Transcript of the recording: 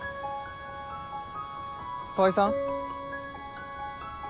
川合さん？